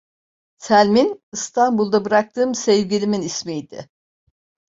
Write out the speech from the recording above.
Selmin, İstanbul'da bıraktığım sevgilimin ismi idi.